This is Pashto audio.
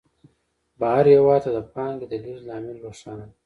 بهر هېواد ته د پانګې د لېږد لامل روښانه دی